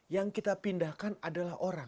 yang kita pindahkan adalah orang